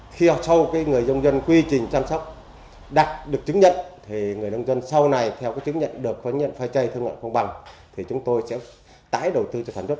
khi sau cái người nông dân quy trình chăm sóc đặt được chứng nhận thì người nông dân sau này theo cái chứng nhận được phán nhận phải trây thương mại không bằng thì chúng tôi sẽ tái đầu tư cho thành phố